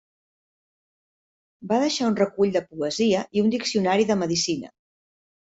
Va deixar un recull de poesia i un diccionari de medicina.